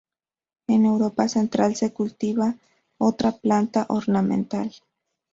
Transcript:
En Europa central se cultiva como planta ornamental.